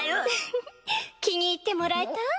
フフッ気に入ってもらえた？